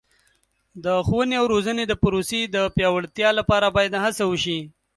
د ښوونې او روزنې د پروسې د پیاوړتیا لپاره باید هڅه وشي.